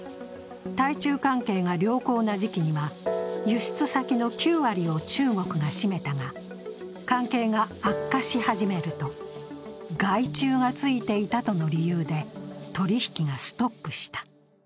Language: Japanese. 台中関係が良好な時期には輸出先の９割を中国が占めたが関係が悪化し始めると、害虫がついていたとの理由で取引がストップした。